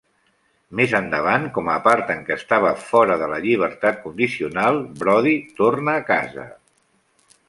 Més endavant, com a part en que estava fora de la llibertat condicional, Brody torna a casa.